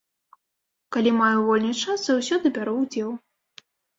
Калі маю вольны час, заўсёды бяру ўдзел.